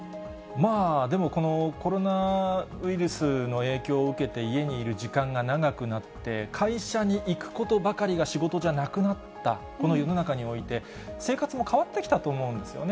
でも、このコロナウイルスの影響を受けて、家にいる時間が長くなって、会社に行くことばかりが仕事じゃなくなったこの世の中において、生活も変わってきたと思うんですよね。